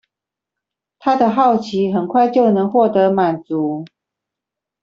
他的好奇很快就能獲得滿足